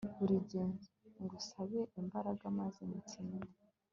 buri gihe, ngusabe imbaraga maze nsinde